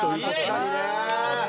確かにね！